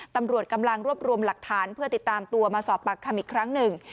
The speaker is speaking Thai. ตำรวจกำลังรวบรวมหลักฐานเพื่อติดตามตัวมาสอบปากคำอีกครั้งหนึ่ง